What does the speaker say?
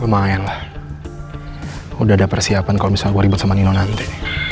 lumayan lah udah ada persiapan kalau misalnya gue ribut sama nino nanti